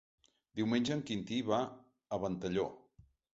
Diumenge en Quintí va a Ventalló.